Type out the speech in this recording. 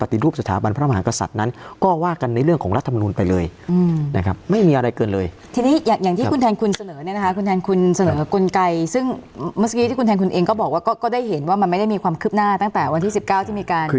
ทีนี้อย่างที่คุณแทนคุณเสนอเนี่ยนะคะคุณแทนคุณเสนอกลไกรซึ่งเมื่อสักทีที่คุณแทนคุณเองก็บอกว่าก็ได้เห็นว่ามันไม่ได้มีความคึบหน้าตั้งแต่วันที่๑๙ที่มีการบ้อม